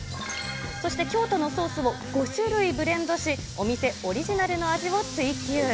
そして京都のソースを５種類ブレンドし、お店オリジナルの味を追求。